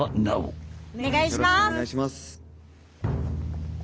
お願いします！